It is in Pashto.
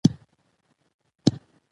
انګریزان د دې ټولې لوبې اصلي لوبغاړي وو.